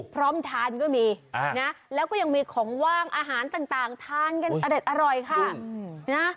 พร้อมทานก็มีนะแล้วก็ยังมีของว่างอาหารต่างทานกันอเด็ดอร่อยค่ะนะ